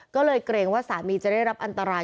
ก็เลยเกรงว่าสามีจะได้รับอันตราย